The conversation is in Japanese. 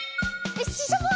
ししゃも！